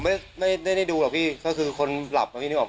พี่นี่ครับ